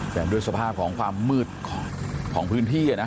แต่ด้วยสภาพของความมืดของพื้นที่นะ